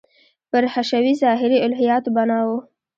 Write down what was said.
پر حشوي – ظاهري الهیاتو بنا و.